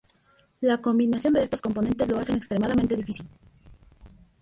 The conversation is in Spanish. La combinación de estos componentes lo hacen extremadamente difícil.